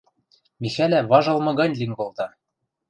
Михӓлӓ важылмы гань лин колта.